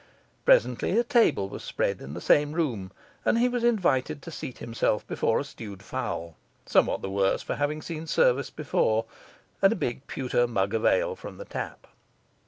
Presently a table was spread in the same room, and he was invited to seat himself before a stewed fowl somewhat the worse for having seen service before and a big pewter mug of ale from the tap.